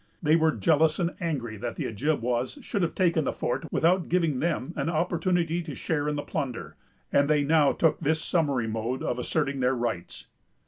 They were jealous and angry that the Ojibwas should have taken the fort without giving them an opportunity to share in the plunder; and they now took this summary mode of asserting their rights.